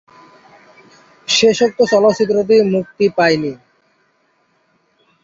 শেষোক্ত চলচ্চিত্রটি মুক্তি পায়নি।